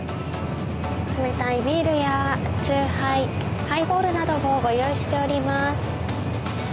冷たいビールや酎ハイハイボールなどもご用意しております。